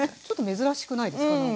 ちょっと珍しくないですか？